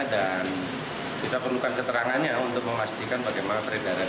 dan kita perlukan keterangannya untuk memastikan bagaimana peredaran